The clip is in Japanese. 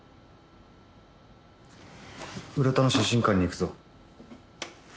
浦田の写真館に行くぞ。